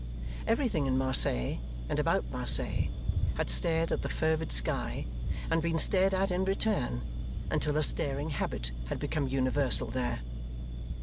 Everything in Marseilles, and about Marseilles, had stared at the fervid sky, and been stared at in return, until a staring habit had become universal there.